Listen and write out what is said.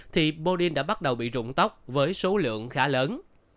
thì bodin đã bắt đầu bị trụng tóc với số lượng khá lớn